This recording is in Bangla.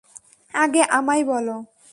আগে আমায় বলো।